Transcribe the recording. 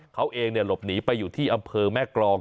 เขาเองหลบหนีไปอยู่ที่อำเภอแม่กรอง